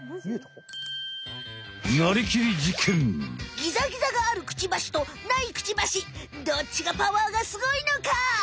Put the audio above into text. ギザギザがあるクチバシとないクチバシどっちがパワーがすごいのか？